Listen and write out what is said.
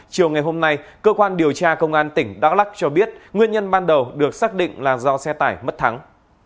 chiều ngày hôm nay cơ quan điều tra công an tỉnh đắk lắc cho biết nguyên nhân ban đầu được xác định là do xe tải mất thắng